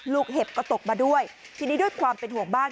เห็บก็ตกมาด้วยทีนี้ด้วยความเป็นห่วงบ้าง